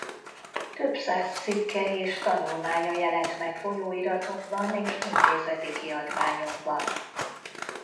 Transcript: Több száz cikke és tanulmánya jelent meg folyóiratokban és intézeti kiadványokban.